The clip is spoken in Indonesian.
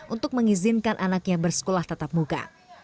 untuk mengizinkan anaknya bersekolah tatap muka